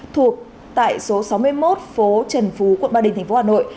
thuộc tại số sáu mươi một phố trần phú quận ba đình thành phố hà nội